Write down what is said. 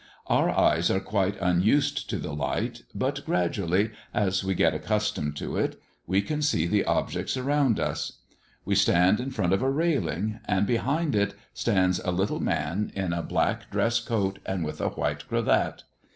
Our eyes are quite unused to the light; but, gradually as we get accustomed to it, we can see the objects around us. We stand in front of a railing, and behind it stands a little man in a black dress coat, and with a white cravat.